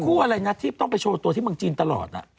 อะไรนะที่ต้องไปโชว์ตัวที่เมืองจีนตลอด